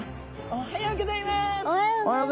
おはようございます。